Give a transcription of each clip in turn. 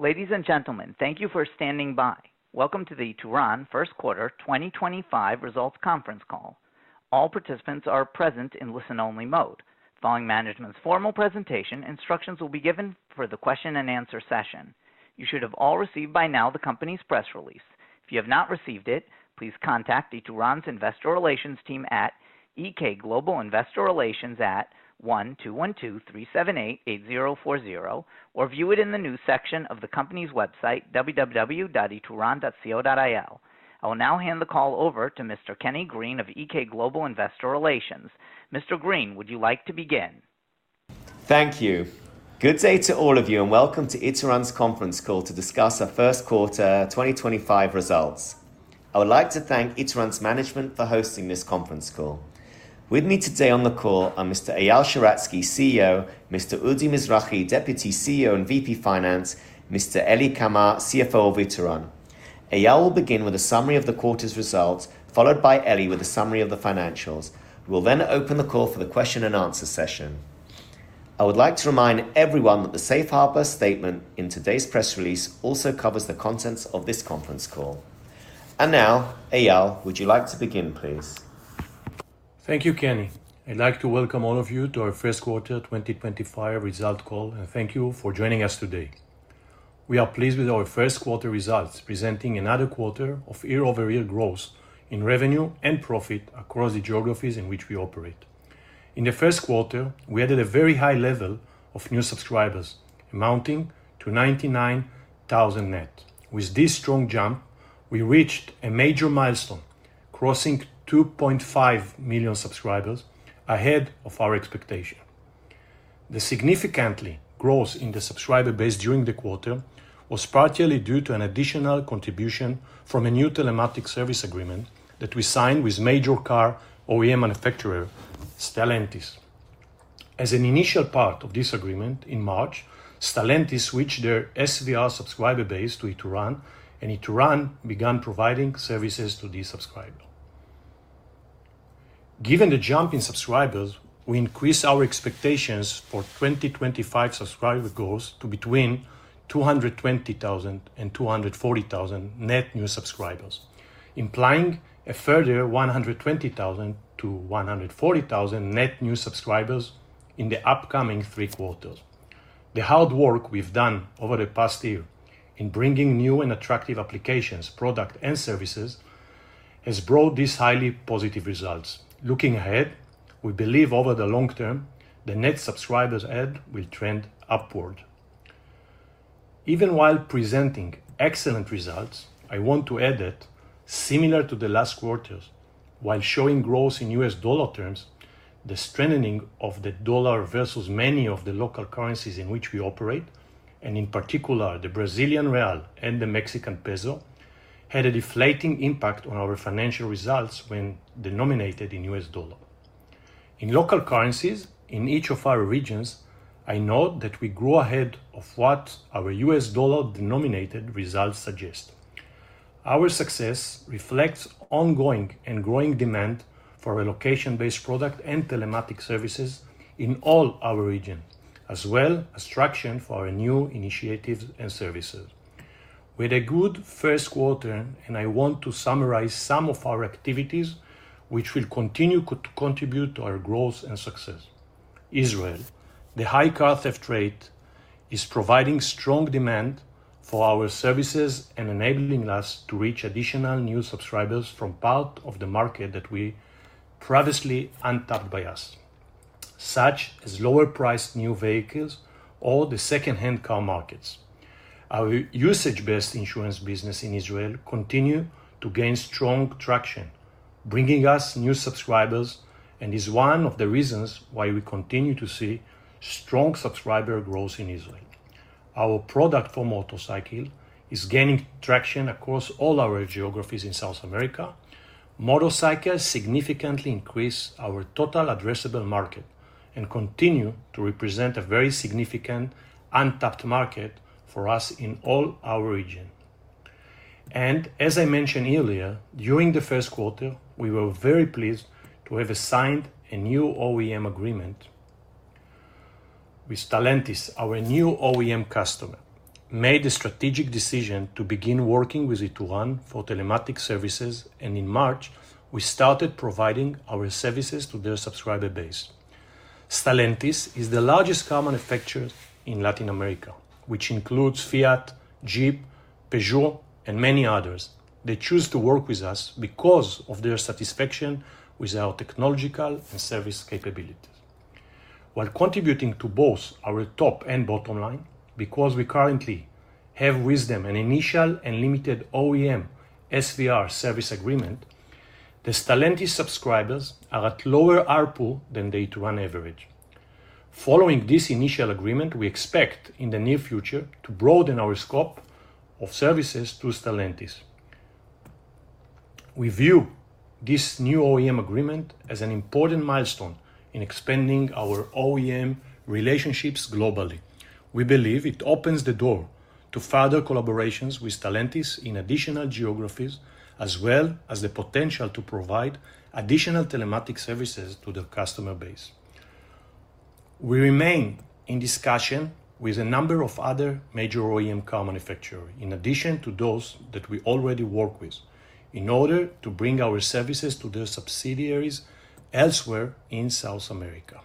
Ladies and gentlemen, thank you for standing by. Welcome to the Ituran Q1 2025 Results Conference Call. All participants are present in listen-only mode. Following management's formal presentation, instructions will be given for the question-and-answer session. You should have all received by now the company's press release. If you have not received it, please contact Ituran's Investor Relations team at EK Global Investor Relations at 1-212-378-8040 or view it in the news section of the company's website, www.ituran.co.il. I will now hand the call over to Mr. Kenny Green of EK Global Investor Relations. Mr. Green, would you like to begin? Thank you. Good day to all of you, and welcome to Ituran's conference call to discuss our Q1 2025 results. I would like to thank Ituran's management for hosting this conference call. With me today on the call are Mr. Eyal Sheratzky (CEO), Mr. Udi Mizrahi, Deputy CEO and VP Finance, Mr. Eli Kamer, CFO of Ituran. Eyal will begin with a summary of the quarter's results, followed by Eli with a summary of the financials. We will then open the call for the question-and-answer session. I would like to remind everyone that the Safe Harbor statement in today's press release also covers the contents of this conference call. Eyal, would you like to begin, please? Thank you, Kenny. I'd like to welcome all of you to our Q1 2025 result call, and thank you for joining us today. We are pleased with our Q1 results, presenting another quarter of year-over-year growth in revenue and profit across the geographies in which we operate. In the first quarter, we added a very high level of new subscribers, amounting to 99,000 net. With this strong jump, we reached a major milestone, crossing 2.5 million subscribers ahead of our expectation. The significant growth in the subscriber base during the quarter was partly due to an additional contribution from a new telematics service agreement that we signed with major car OEM manufacturer, Stellantis. As an initial part of this agreement in March, Stellantis switched their SVR subscriber base to Ituran, and Ituran began providing services to these subscribers. Given the jump in subscribers, we increased our expectations for 2025 subscriber growth to between 220,000 and 240,000 net new subscribers, implying a further 120,000-140,000 net new subscribers in the upcoming three quarters. The hard work we've done over the past year in bringing new and attractive applications, products, and services has brought these highly positive results. Looking ahead, we believe over the long term, the net subscribers add will trend upward. Even while presenting excellent results, I want to add that, similar to the last quarters, while showing growth in U.S. dollar terms, the strengthening of the dollar versus many of the local currencies in which we operate, and in particular the Brazilian real and the Mexican peso, had a deflating impact on our financial results when denominated in U.S. dollar. In local currencies, in each of our regions, I note that we grew ahead of what our U.S. dollar denominated results suggest. Our success reflects ongoing and growing demand for a location-based product and telematics services in all our regions, as well as traction for our new initiatives and services. With a good first quarter, I want to summarize some of our activities, which will continue to contribute to our growth and success. Israel, the high car theft rate, is providing strong demand for our services and enabling us to reach additional new subscribers from part of the market that was previously untapped by us, such as lower-priced new vehicles or the second-hand car markets. Our Usage-Based Insurance business in Israel continues to gain strong traction, bringing us new subscribers, and is one of the reasons why we continue to see strong subscriber growth in Israel. Our product for motorcycles is gaining traction across all our geographies in South America. Motorcycles significantly increase our total addressable market and continue to represent a very significant untapped market for us in all our regions. As I mentioned earlier, during the first quarter, we were very pleased to have signed a new OEM agreement with Stellantis, our new OEM customer. We made the strategic decision to begin working with Ituran for telematics services, and in March, we started providing our services to their subscriber base. Stellantis is the largest car manufacturer in Latin America, which includes Fiat, Jeep, Peugeot, and many others that choose to work with us because of their satisfaction with our technological and service capabilities. While contributing to both our top and bottom line, because we currently have with them an initial and limited OEM SVR service agreement, the Stellantis subscribers are at lower ARPU than the Ituran average. Following this initial agreement, we expect in the near future to broaden our scope of services to Stellantis. We view this new OEM agreement as an important milestone in expanding our OEM relationships globally. We believe it opens the door to further collaborations with Stellantis in additional geographies, as well as the potential to provide additional telematics services to the customer base. We remain in discussion with a number of other major OEM car manufacturers, in addition to those that we already work with, in order to bring our services to their subsidiaries elsewhere in South America.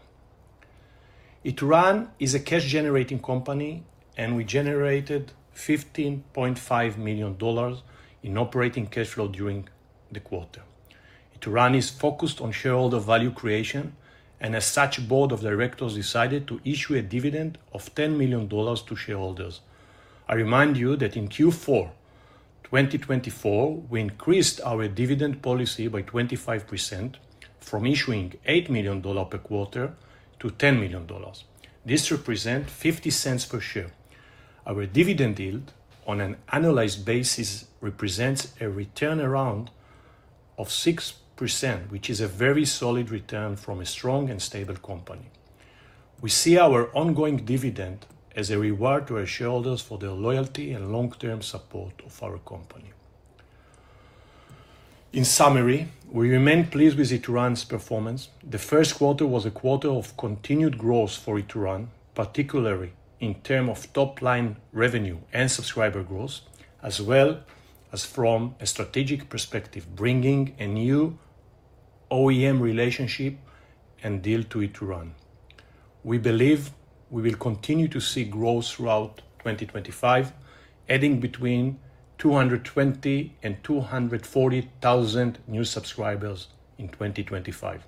Ituran is a cash-generating company, and we generated $15.5 million in operating cash flow during the quarter. Ituran is focused on shareholder value creation, and as such, the board of directors decided to issue a dividend of $10 million to shareholders. I remind you that in Q4 2024, we increased our dividend policy by 25% from issuing $8 million per quarter to $10 million. This represents $0.50 per share. Our dividend yield, on an annualized basis, represents a return around 6%, which is a very solid return from a strong and stable company. We see our ongoing dividend as a reward to our shareholders for their loyalty and long-term support of our company. In summary, we remain pleased with Ituran's performance. The first quarter was a quarter of continued growth for Ituran, particularly in terms of top-line revenue and subscriber growth, as well as from a strategic perspective, bringing a new OEM relationship and deal to Ituran. We believe we will continue to see growth throughout 2025, adding between 220,000 and 240,000 new subscribers in 2025.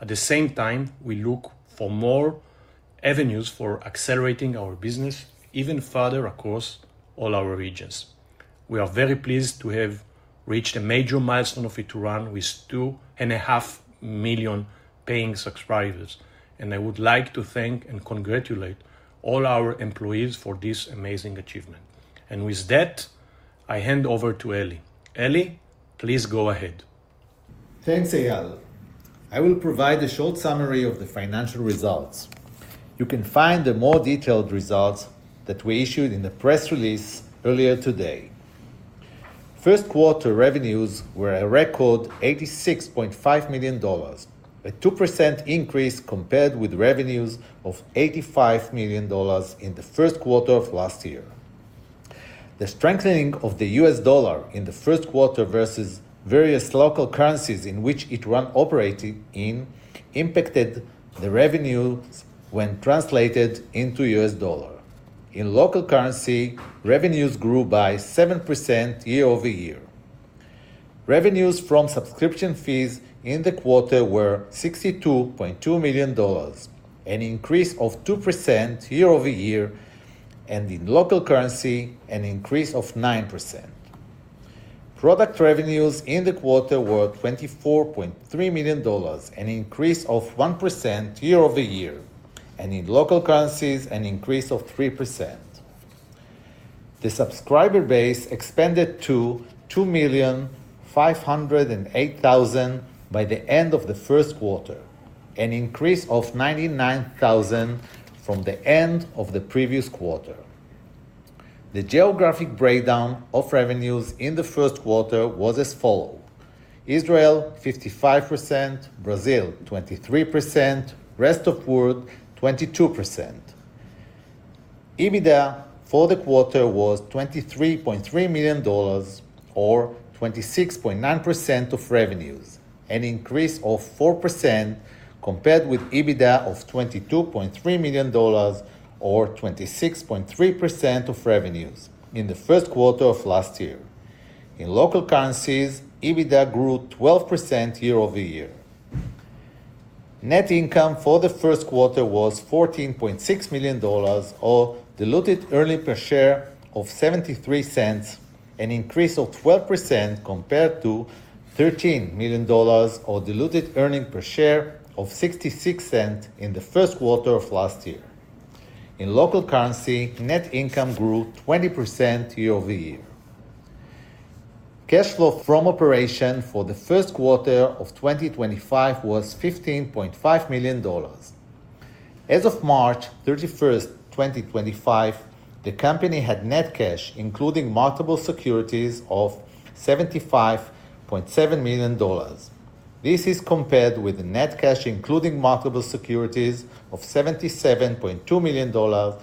At the same time, we look for more avenues for accelerating our business even further across all our regions. We are very pleased to have reached a major milestone of Ituran with 2.5 million paying subscribers, and I would like to thank and congratulate all our employees for this amazing achievement. I hand over to Eli. Eli, please go ahead. Thanks, Eyal. I will provide a short summary of the financial results. You can find the more detailed results that we issued in the press release earlier today. Q1 revenues were a record $86.5 million, a 2% increase compared with revenues of $85 million in the first quarter of last year. The strengthening of the U.S. dollar in the first quarter versus various local currencies in which Ituran operated impacted the revenues when translated into U.S. dollar. In local currency, revenues grew by 7% year-over-year. Revenues from subscription fees in the quarter were $62.2 million, an increase of 2% year-over-year, and in local currency, an increase of 9%. Product revenues in the quarter were $24.3 million, an increase of 1% year-over-year, and in local currencies, an increase of 3%. The subscriber base expanded to 2,508,000 by the end of the first quarter, an increase of 99,000 from the end of the previous quarter. The geographic breakdown of revenues in the first quarter was as follows: Israel, 55%; Brazil, 23%; rest of the world, 22%. EBITDA for the quarter was $23.3 million, or 26.9% of revenues, an increase of 4% compared with EBITDA of $22.3 million, or 26.3% of revenues in the first quarter of last year. In local currencies, EBITDA grew 12% year-over-year. Net income for the first quarter was $14.6 million, or diluted earnings per share of $0.73, an increase of 12% compared to $13 million, or diluted earnings per share of $0.66 in the first quarter of last year. In local currency, net income grew 20% year-over-year. Cash flow from operations for the first quarter of 2025 was $15.5 million. As of March 31, 2025, the company had net cash, including multiple securities, of $75.7 million. This is compared with the net cash, including multiple securities, of $77.2 million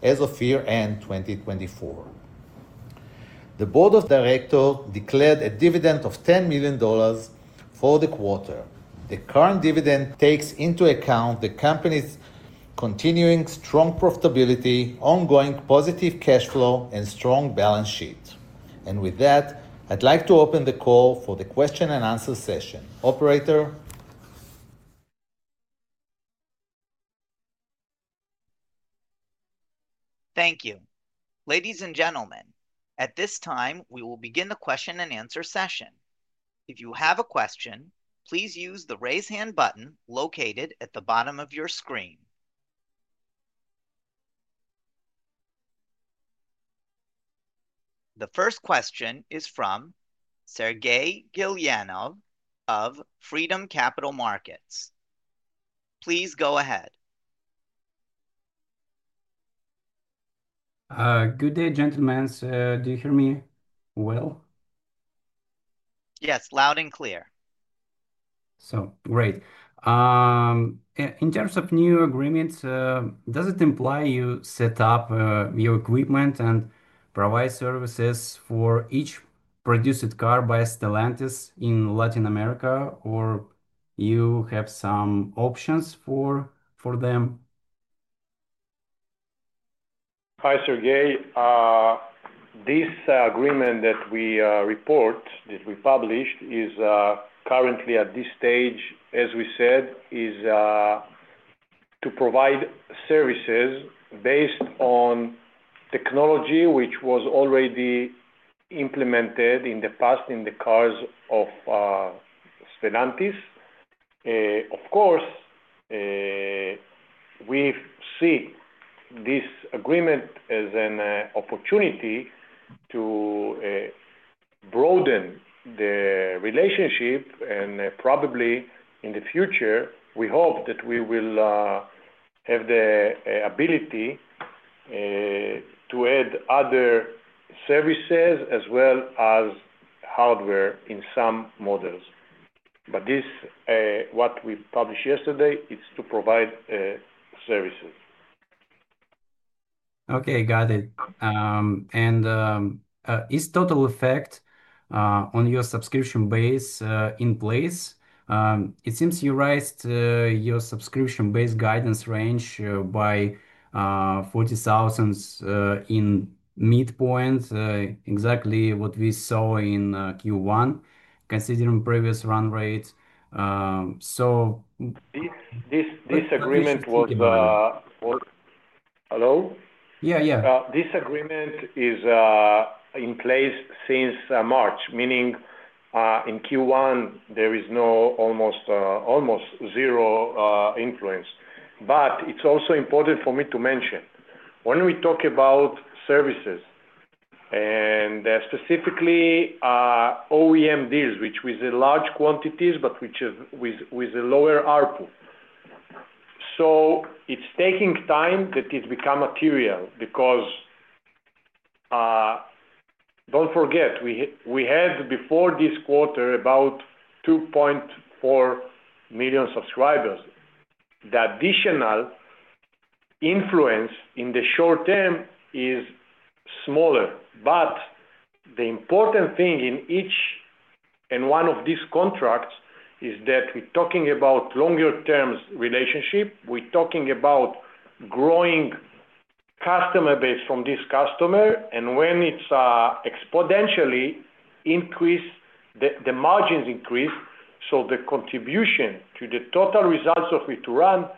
as of year-end 2024. The Board of Directors declared a dividend of $10 million for the quarter. The current dividend takes into account the company's continuing strong profitability, ongoing positive cash flow, and strong balance sheet. I would like to open the call for the question-and-answer session. Operator. Thank you. Ladies and gentlemen, at this time, we will begin the question-and-answer session. If you have a question, please use the raise-hand button located at the bottom of your screen. The first question is from Sergey Glinyanov of Freedom Capital Markets. Please go ahead. Good day, gentlemen. Do you hear me well? Yes, loud and clear. Great. In terms of new agreements, does it imply you set up your equipment and provide services for each produced car by Stellantis in Latin America, or do you have some options for them? Hi, Sergey. This agreement that we report, that we published, is currently at this stage, as we said, is to provide services based on technology which was already implemented in the past in the cars of Stellantis. Of course, we see this agreement as an opportunity to broaden the relationship, and probably in the future, we hope that we will have the ability to add other services as well as hardware in some models. What we published yesterday is to provide services. Okay, got it. Is total effect on your subscription base in place? It seems you raised your subscription base guidance range by 40,000 in midpoint, exactly what we saw in Q1, considering previous run rate. This agreement was. Hello? Yeah, yeah. This agreement is in place since March, meaning in Q1, there is almost zero influence. It is also important for me to mention, when we talk about services, and specifically OEM deals, which were large quantities, but with a lower ARPU. It is taking time that it becomes material because do not forget, we had before this quarter about 2.4 million subscribers. The additional influence in the short term is smaller. The important thing in each and one of these contracts is that we are talking about longer-term relationships. We are talking about growing customer base from this customer, and when it is exponentially increased, the margins increase. The contribution to the total results of Ituran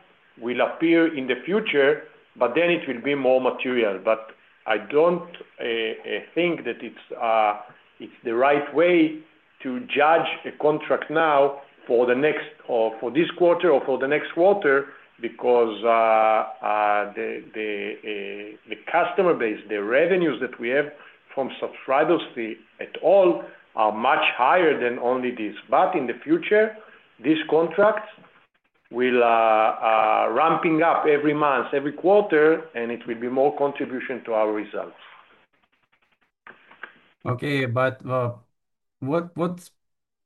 will appear in the future, but then it will be more material. I don't think that it's the right way to judge a contract now for this quarter or for the next quarter because the customer base, the revenues that we have from subscribers at all are much higher than only this. In the future, these contracts will be ramping up every month, every quarter, and it will be more contribution to our results. Okay,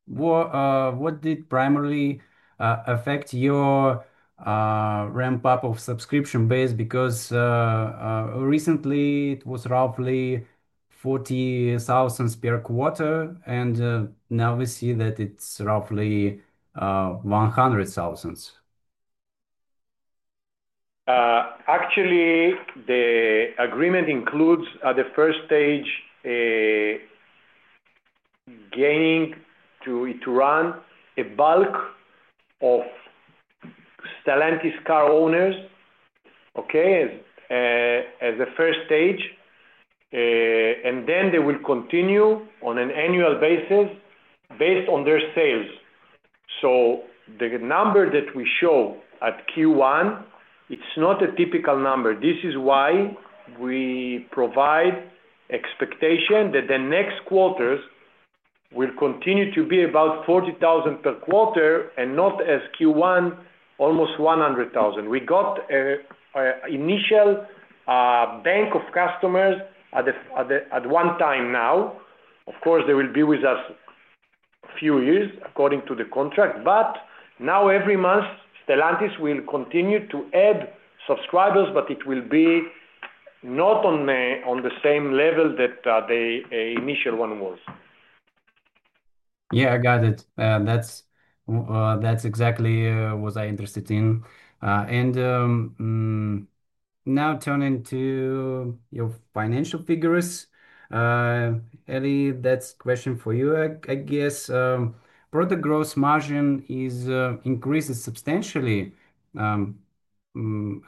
what did primarily affect your ramp-up of subscription base? Because recently, it was roughly 40,000 per quarter, and now we see that it is roughly 100,000. Actually, the agreement includes at the first stage gaining to Ituran a bulk of Stellantis car owners, okay, as the first stage, and then they will continue on an annual basis based on their sales. The number that we show at Q1, it's not a typical number. This is why we provide expectation that the next quarters will continue to be about 40,000 per quarter and not as Q1, almost 100,000. We got an initial bank of customers at one time now. Of course, they will be with us a few years according to the contract. Now, every month, Stellantis will continue to add subscribers, but it will be not on the same level that the initial one was. Yeah, I got it. That's exactly what I'm interested in. Now turning to your financial figures, Eli, that's a question for you, I guess. Product gross margin is increasing substantially.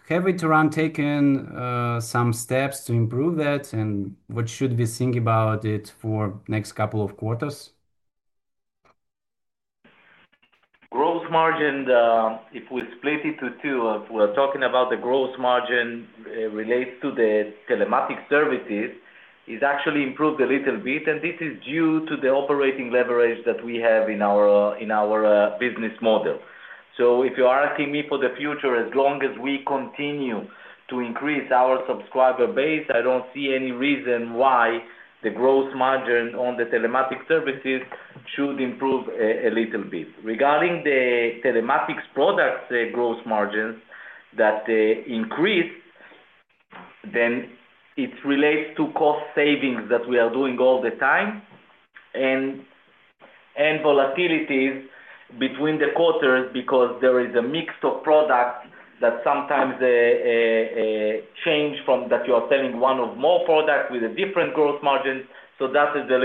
Have Ituran taken some steps to improve that, and what should we think about it for the next couple of quarters? Gross margin, if we split it into two, if we're talking about the gross margin related to the telematics services, it's actually improved a little bit, and this is due to the operating leverage that we have in our business model. If you're asking me for the future, as long as we continue to increase our subscriber base, I don't see any reason why the gross margin on the telematics services shouldn't improve a little bit. Regarding the telematics products' gross margins that increased, then it relates to cost savings that we are doing all the time and volatilities between the quarters because there is a mix of products that sometimes change from that you are selling one or more products with a different gross margin. That is a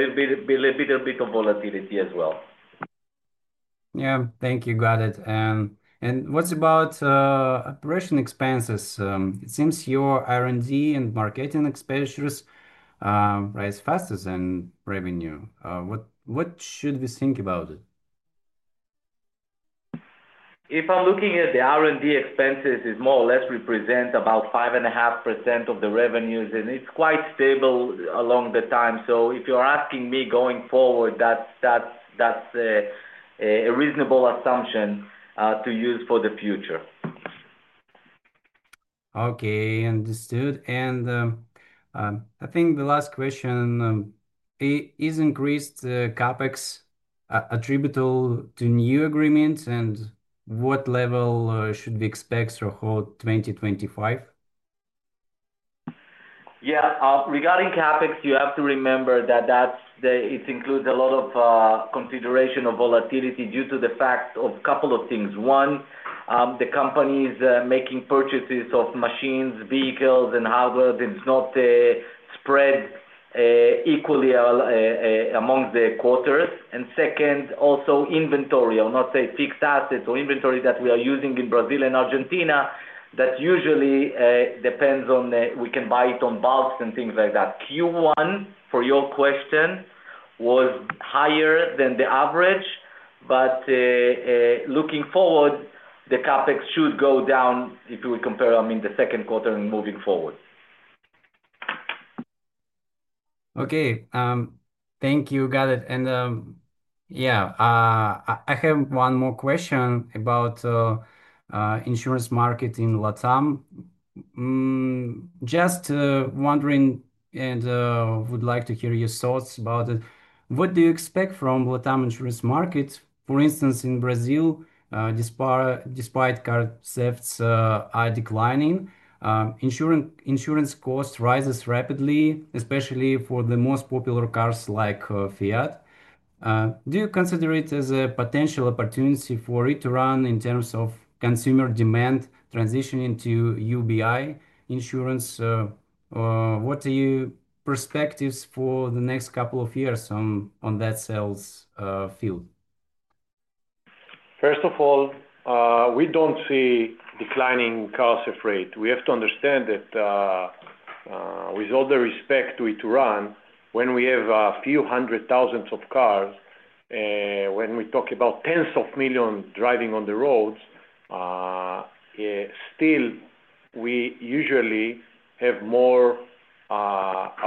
little bit of volatility as well. Yeah, thank you. Got it. What about operation expenses? It seems your R&D and marketing expenditures rise faster than revenue. What should we think about it? If I'm looking at the R&D expenses, it more or less represents about 5.5% of the revenues, and it's quite stable along the time. If you're asking me going forward, that's a reasonable assumption to use for the future. Okay, understood. I think the last question is, is increased CapEx attributable to new agreements, and what level should we expect to hold 2025? Yeah, regarding CAPEX, you have to remember that it includes a lot of consideration of volatility due to the fact of a couple of things. One, the companies making purchases of machines, vehicles, and hardware that's not spread equally among the quarters. Second, also inventory, I'll not say fixed assets or inventory that we are using in Brazil and Argentina, that usually depends on we can buy it on bulks and things like that. Q1, for your question, was higher than the average, but looking forward, the CapEx should go down if you would compare, I mean, the second quarter and moving forward. Okay, thank you. Got it. Yeah, I have one more question about insurance market in LatAm. Just wondering and would like to hear your thoughts about it. What do you expect from LatAm insurance market? For instance, in Brazil, despite car thefts declining, insurance costs rise rapidly, especially for the most popular cars like Fiat. Do you consider it as a potential opportunity for Ituran in terms of consumer demand transitioning to UBI insurance? What are your perspectives for the next couple of years on that sales field? First of all, we do not see declining cars' rate. We have to understand that with all the respect to Ituran, when we have a few hundred thousand cars, when we talk about tens of millions driving on the roads, still, we usually have a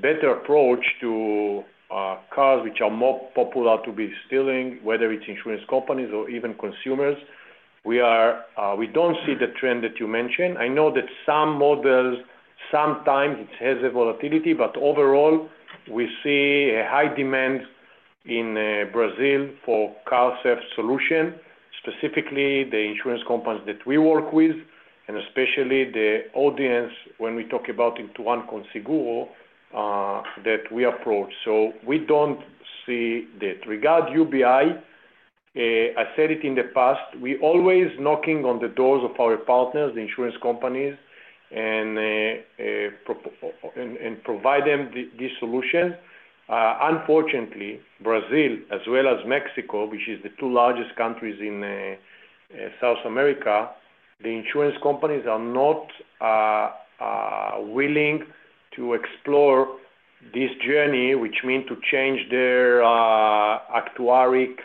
better approach to cars which are more popular to be stealing, whether it is insurance companies or even consumers. We do not see the trend that you mentioned. I know that some models, sometimes it has a volatility, but overall, we see a high demand in Brazil for car theft solution, specifically the insurance companies that we work with, and especially the audience when we talk about Ituran Conseguro that we approach. We do not see that. Regarding UBI, I said it in the past, we are always knocking on the doors of our partners, the insurance companies, and provide them these solutions. Unfortunately, Brazil, as well as Mexico, which is the two largest countries in South America, the insurance companies are not willing to explore this journey, which means to change their actuary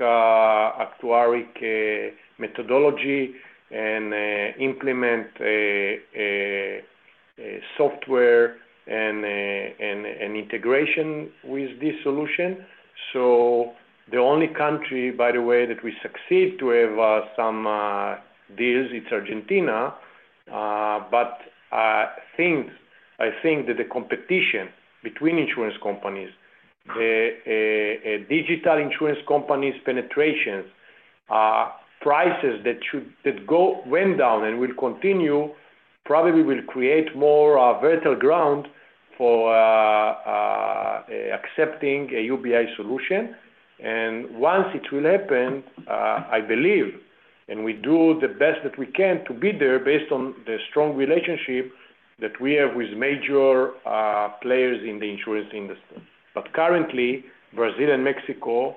methodology and implement software and integration with this solution. The only country, by the way, that we succeed to have some deals, is Argentina. I think that the competition between insurance companies, digital insurance companies' penetrations, prices that went down and will continue probably will create more vertical ground for accepting a UBI solution. Once it will happen, I believe, and we do the best that we can to be there based on the strong relationship that we have with major players in the insurance industry. Currently, Brazil and Mexico,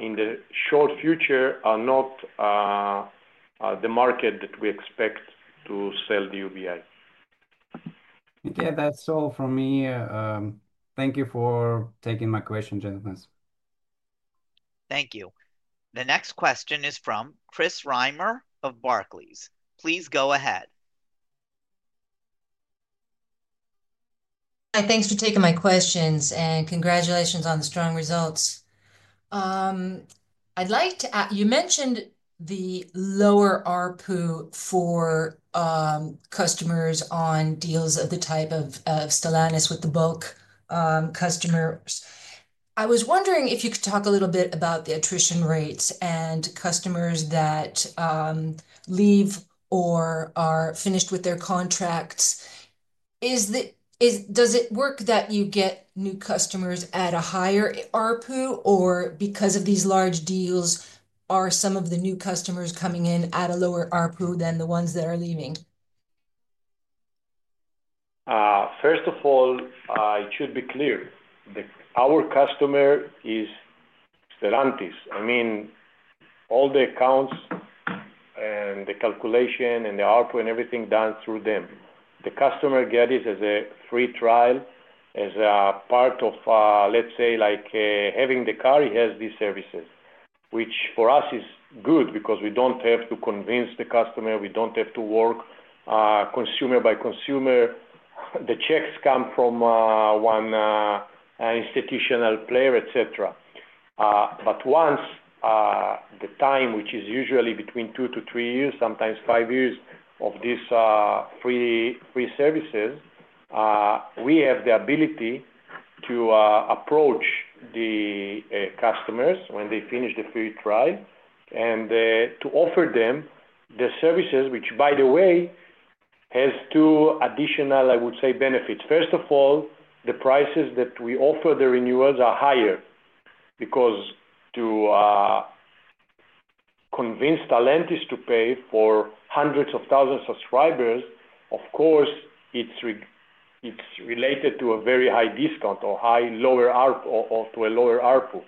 in the short future, are not the market that we expect to sell the UBI. Okay, that's all from me. Thank you for taking my questions, gentlemen. Thank you. The next question is from Chris Reimer of Barclays. Please go ahead. Hi, thanks for taking my questions, and congratulations on the strong results. You mentioned the lower ARPU for customers on deals of the type of Stellantis with the bulk customers. I was wondering if you could talk a little bit about the attrition rates and customers that leave or are finished with their contracts. Does it work that you get new customers at a higher ARPU, or because of these large deals, are some of the new customers coming in at a lower ARPU than the ones that are leaving? First of all, it should be clear that our customer is Stellantis. I mean, all the accounts and the calculation and the ARPU and everything done through them. The customer gets it as a free trial as a part of, let's say, having the car, he has these services, which for us is good because we don't have to convince the customer. We don't have to work consumer by consumer. The checks come from one institutional player, etc. Once the time, which is usually between two to three years, sometimes five years of these free services, we have the ability to approach the customers when they finish the free trial and to offer them the services, which, by the way, has two additional, I would say, benefits. First of all, the prices that we offer the renewals are higher because to convince Stellantis to pay for hundreds of thousands of subscribers, of course, it's related to a very high discount or lower ARPU.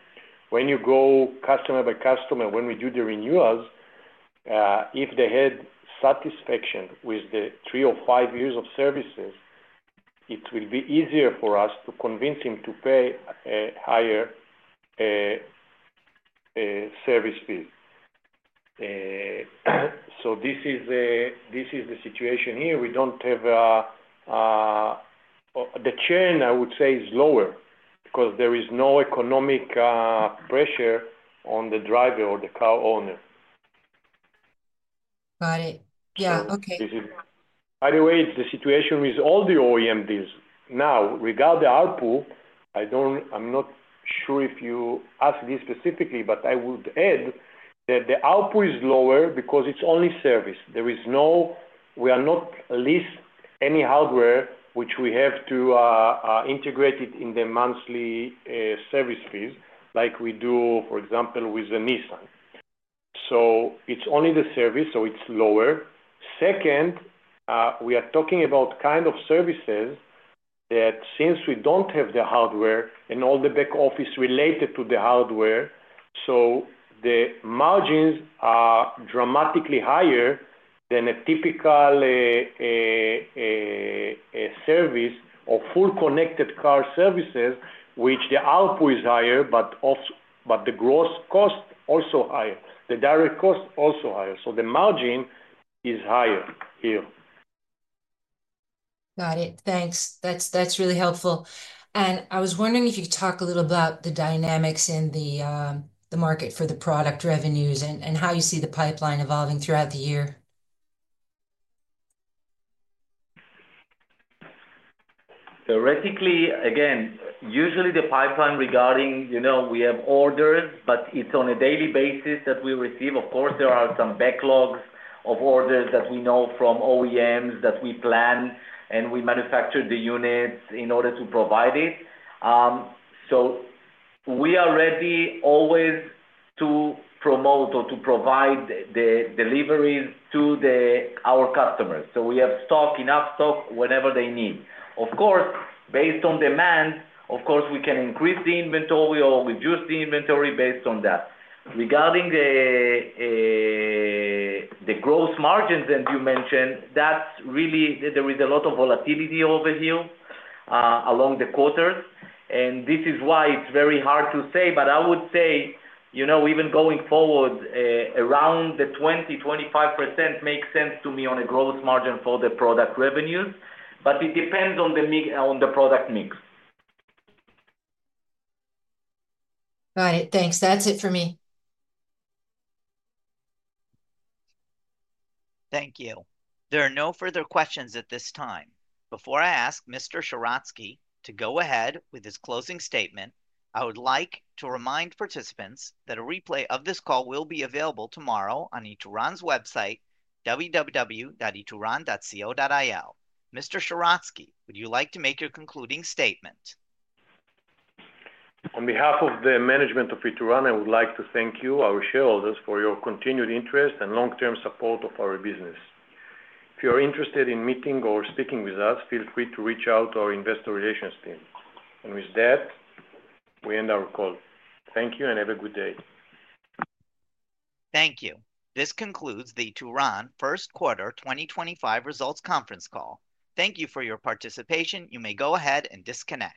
When you go customer by customer, when we do the renewals, if they had satisfaction with the three or five years of services, it will be easier for us to convince them to pay a higher service fee. This is the situation here. We don't have the churn, I would say, is lower because there is no economic pressure on the driver or the car owner. Got it. Yeah, okay. By the way, the situation with all the OEM deals now, regarding the ARPU, I'm not sure if you asked this specifically, but I would add that the ARPU is lower because it's only service. We are not listing any hardware which we have to integrate in the monthly service fees like we do, for example, with Nissan. It is only the service, so it's lower. Second, we are talking about kind of services that since we do not have the hardware and all the back office related to the hardware, the margins are dramatically higher than a typical service or full connected car services, where the ARPU is higher, but the gross cost is also higher. The direct cost is also higher. The margin is higher here. Got it. Thanks. That's really helpful. I was wondering if you could talk a little about the dynamics in the market for the product revenues and how you see the pipeline evolving throughout the year. Theoretically, again, usually the pipeline regarding we have orders, but it is on a daily basis that we receive. Of course, there are some backlogs of orders that we know from OEMs that we plan and we manufacture the units in order to provide it. We are ready always to promote or to provide the deliveries to our customers. We have stock, enough stock, whenever they need. Of course, based on demand, we can increase the inventory or reduce the inventory based on that. Regarding the gross margins that you mentioned, there is a lot of volatility over here along the quarters. This is why it is very hard to say, but I would say even going forward, around the 20%-25% makes sense to me on a gross margin for the product revenues, but it depends on the product mix. Got it. Thanks. That's it for me. Thank you. There are no further questions at this time. Before I ask Mr. Sheratzky to go ahead with his closing statement, I would like to remind participants that a replay of this call will be available tomorrow on Ituran's website, www.ituran.co.il. Mr. Sheratzky, would you like to make your concluding statement? On behalf of the management of Ituran, I would like to thank you, our shareholders, for your continued interest and long-term support of our business. If you're interested in meeting or speaking with us, feel free to reach out to our investor relations team. With that, we end our call. Thank you and have a good day. Thank you. This concludes the Ituran First Quarter 2025 Results Conference Call. Thank you for your participation. You may go ahead and disconnect.